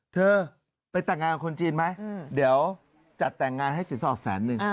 เธอไปแต่งงานกับคนจีนไหมเดี๋ยวจัดแต่งงานให้สินสอดแสนหนึ่ง